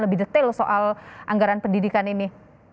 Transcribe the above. lebih detail soal anggaran pendidikan ini